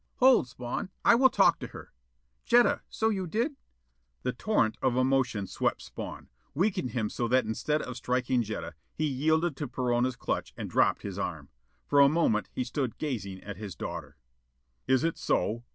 "Hold, Spawn: I will talk to her. Jetta, so you did " The torrent of emotion swept Spawn; weakened him so that instead of striking Jetta, he yielded to Perona's clutch and dropped his arm. For a moment he stood gazing at his daughter. "Is it so?